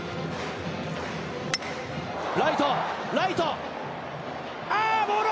ライト、ライトあー！